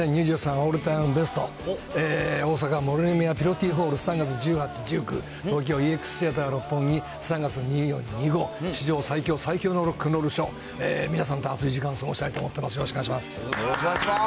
オールタイムベスト、大阪、森ノ宮ピロティホール、３月１８、１９、東京ＥＸシアター六本木、３月２４２５、史上最強、最強のロックンロールショー、皆さんと熱い時間、過ごしたいと思ってます。